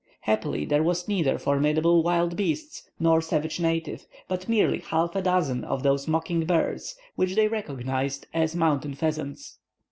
Happily, there was neither formidable wild beast nor savage native, but merely half a dozen of those mocking birds which they recognized as "mountain pheasants."